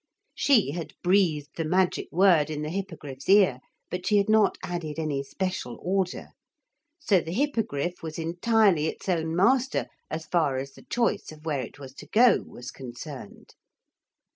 She had breathed the magic word in the Hippogriff's ear, but she had not added any special order. So the Hippogriff was entirely its own master as far as the choice of where it was to go was concerned.